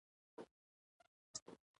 د اقتصاد پوهنځي محصلین عملي کار کوي؟